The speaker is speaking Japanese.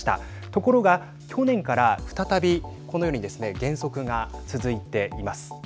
ところが、去年から再びこのようにですね減速が続いています。